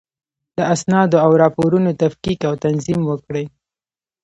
د اسنادو او راپورونو تفکیک او تنظیم وکړئ.